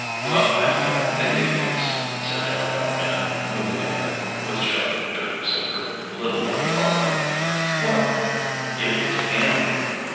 "Well, I know what I think it was," said Arabella Mann, moving ahead with sharp jerks of her little dark body. "What?" "It was him."